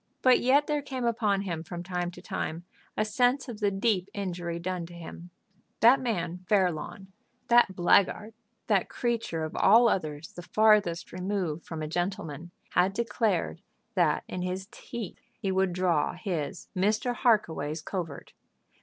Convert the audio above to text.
But yet there came upon him from time to time a sense of the deep injury done to him. That man Fairlawn, that blackguard, that creature of all others the farthest removed from a gentleman, had declared that in his, Mr. Harkaway's teeth, he would draw his, Mr. Harkaway's covert!